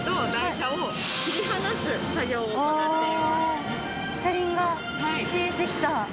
車輪が見えて来た。